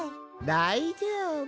だいじょうぶ。